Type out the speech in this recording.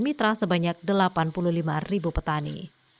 mitra sebanyak delapan puluh lima ribu petani